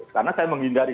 karena saya menghindari